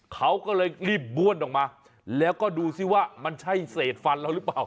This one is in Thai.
เขาก็เลยรีบบ้วนออกมาแล้วก็ดูซิว่ามันใช่เศษฟันเราหรือเปล่า